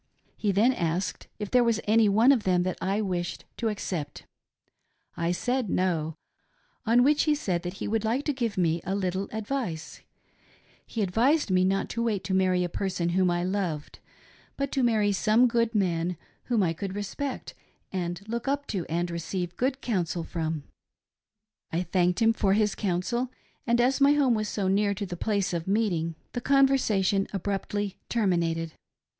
He then asked if there was any one ol them that I wished to accept. I said, " No," on which he said that he would like to give me a little advice. He advised me not to wait to marry a person whom I loved, but to marry some good man whom I could respect and look u' to and receive good counsel from. "^ 286 THE STORY OF ELIZA ANN "NUMBER NINETEEN !" I thanked him for his counsel, and as my home was so near to the place of meeting, the conversation abruptly terminated.